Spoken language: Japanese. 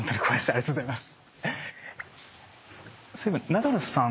ありがとうございます。